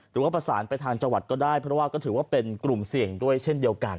หรือว่าประสานไปทางจังหวัดก็ได้เพราะว่าก็ถือว่าเป็นกลุ่มเสี่ยงด้วยเช่นเดียวกัน